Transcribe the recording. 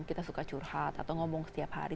kita suka curhat atau ngomong setiap hari